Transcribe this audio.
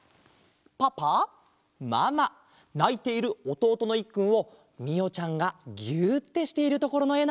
パパママないているおとうとのいっくんをみおちゃんがぎゅってしているところのえ